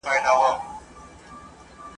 د ورځي په رڼا کي ګرځي ..